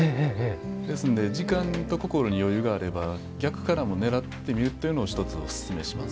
ですので時間と心に余裕があれば逆からも狙ってみるというのを１つおすすめします。